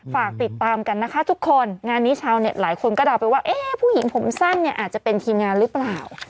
ฝากติดตามกันนะคะทุกคนงานนี้ชาวเน็ตหลายคนก็เดาไปว่าเอ๊ะผู้หญิงผมสั้นเนี่ยอาจจะเป็นทีมงานหรือเปล่า